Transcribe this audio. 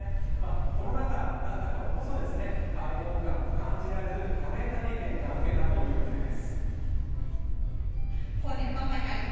コロナ禍だったころこそ開放感を感じられるカフェ体験が受けたというんです。